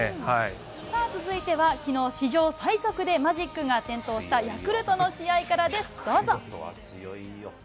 さあ続いては、きのう、史上最速でマジックが点灯したヤクルトの試合からです。